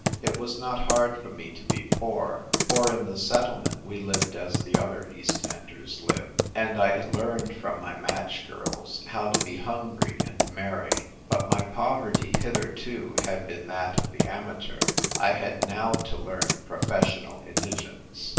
It was not hard for me to be poor ; for in the Settlement we lived as the other East Enders live, and I had learned from my match girls how to be hungry and merry. But my poverty hitherto had been that of the amateur; I had now to learn professional indigence.